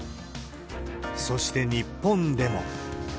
そして、日本でも。